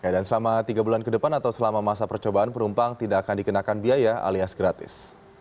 dan selama tiga bulan ke depan atau selama masa percobaan perumpang tidak akan dikenakan biaya alias gratis